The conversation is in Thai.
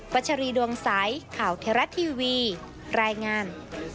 ัชรีดวงใสข่าวเทราะทีวีรายงาน